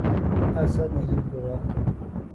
ایسا نہیں ہوا۔